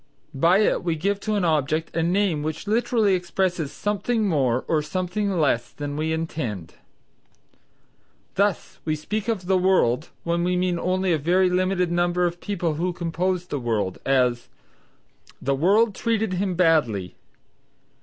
By it we give to an object a name which literally expresses something more or something less than we intend. Thus: we speak of the world when we mean only a very limited number of the people who compose the world: as, "The world treated him badly."